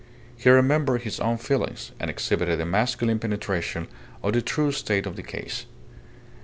He remembered his own feelings, and exhibited a masculine penetration of the true state of the case.